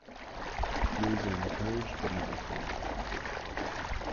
Beards are encouraged but not required.